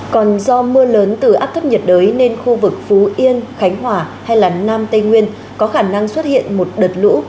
còn do mưa lớn từ áp thấp nhiệt đới nên khu vực phú yên khánh hòa hay nam tây nguyên có khả năng xuất hiện một đợt lũ